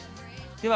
では